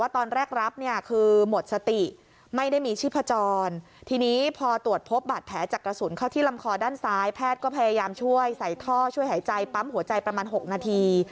ท่อช่วยหายใจปั๊มหัวใจประมาณ๖นาที